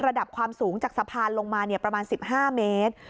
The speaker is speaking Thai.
ระดับความสูงจากสะพานลงมาประมาณ๑๕เมตร